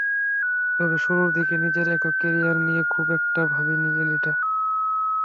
তবে শুরুর দিকে নিজের একক ক্যারিয়ার নিয়ে খুব একটা ভাবেননি এলিটা।